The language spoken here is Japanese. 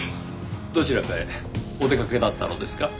どちらかへお出かけだったのですか？